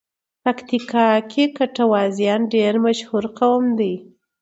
پکیتیکا کې ګټوازیان ډېر مشهور قوم دی.